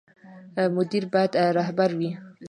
مدیر باید رهبر وي